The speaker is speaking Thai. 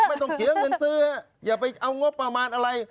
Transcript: ไม่ต้องเสียเงินซื้ออย่าไปเอางบประมาณอะไร